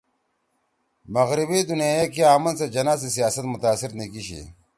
مغربی دونیئی ئے کی آمن سیت جناح سی سیاست متاثر نِی کیِشی